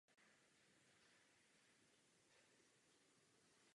V první řadě dal vyměnit staré a podle něj nevhodné vybavení kavárny.